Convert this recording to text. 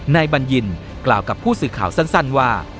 บัญญินกล่าวกับผู้สื่อข่าวสั้นว่า